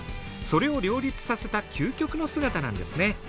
それを両立させた究極の姿なんですね。